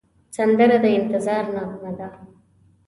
سندره د انتظار نغمه ده